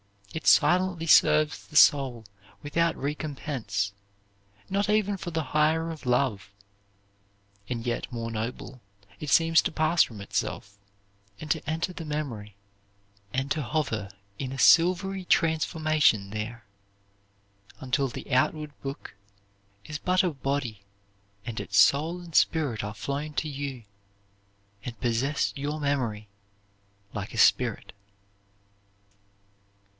It silently serves the soul without recompense, not even for the hire of love. And yet more noble, it seems to pass from itself, and to enter the memory, and to hover in a silvery transformation there, until the outward book is but a body and its soul and spirit are flown to you, and possess your memory like a spirit."